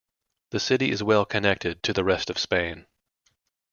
The city is well connected to the rest of Spain.